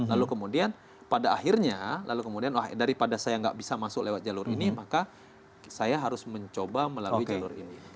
lalu kemudian pada akhirnya lalu kemudian daripada saya nggak bisa masuk lewat jalur ini maka saya harus mencoba melalui jalur ini